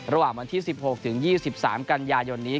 ระหว่างวันที่๑๖ถึง๒๓กันยายนนี้